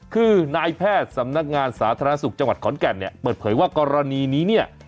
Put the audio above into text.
คือนายแพทย์สำนักงานสาธารณสุขจังหวัดขอนแก่นเนี่ยเปิดเผยว่ากรณีนี้เนี่ย